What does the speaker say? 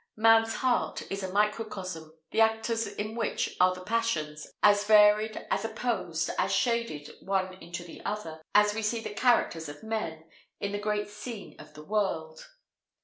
Man's heart is a microcosm, the actors in which are the passions, as varied, as opposed, as shaded one into the other, as we see the characters of men, in the great scene of the world.